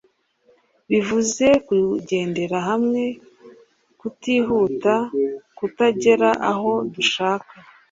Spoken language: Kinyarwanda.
bivuze kugendera hamwe tukihuta tukagera aho dushaka